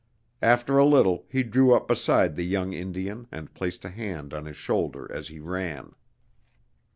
After a little he drew up beside the young Indian and placed a hand on his shoulder as he ran.